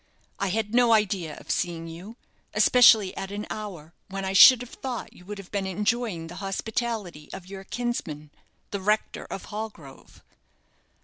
I had no idea of seeing you, especially at an hour when I should have thought you would have been enjoying the hospitality of your kinsman, the rector of Hallgrove."